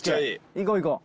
いこういこう。